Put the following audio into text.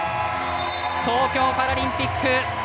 東京パラリンピック